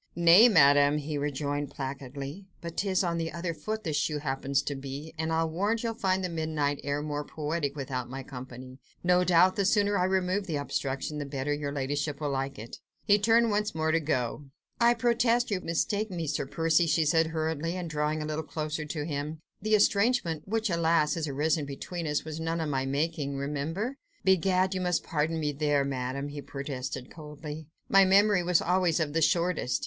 "Nay, Madame," he rejoined placidly, "but 'tis on the other foot the shoe happens to be, and I'll warrant you'll find the midnight air more poetic without my company: no doubt the sooner I remove the obstruction the better your ladyship will like it." He turned once more to go. "I protest you mistake me, Sir Percy," she said hurriedly, and drawing a little closer to him; "the estrangement, which, alas! has arisen between us, was none of my making, remember." "Begad! you must pardon me there, Madame!" he protested coldly, "my memory was always of the shortest."